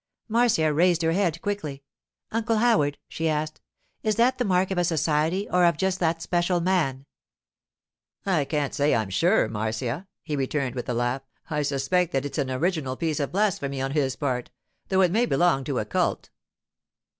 Marcia raised her head quickly. 'Uncle Howard,' she asked, 'is that the mark of a society or of just that special man?' 'I can't say, I'm sure, Marcia,' he returned with a laugh. 'I suspect that it's an original piece of blasphemy on his part, though it may belong to a cult.